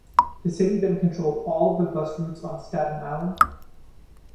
The city then controlled all of the bus routes on Staten Island.